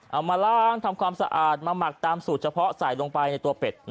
เอามาล้างทำความสะอาดมาหมักตามสูตรเฉพาะใส่ลงไปในตัวเป็ด